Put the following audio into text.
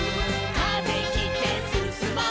「風切ってすすもう」